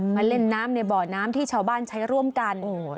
มาเล่นน้ำในบ่อน้ำที่ชาวบ้านใช้ร่วมกัน